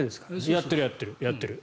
やってるやってる。